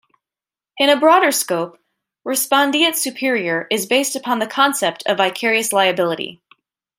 In a broader scope, "respondeat superior" is based upon the concept of vicarious liability.